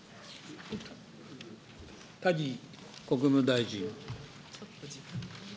谷国務大臣。